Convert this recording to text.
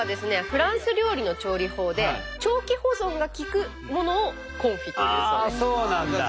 フランス料理の調理法で長期保存が利くものをコンフィというそうです。